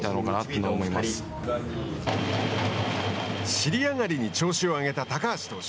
尻上がりに調子を上げた高橋投手。